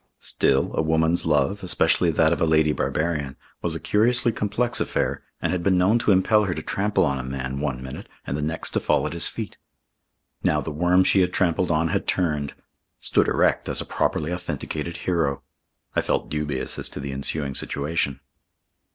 Still, a woman's love, especially that of a lady barbarian, was a curiously complex affair, and had been known to impel her to trample on a man one minute and the next to fall at his feet. Now the worm she had trampled on had turned; stood erect as a properly authenticated hero. I felt dubious as to the ensuing situation.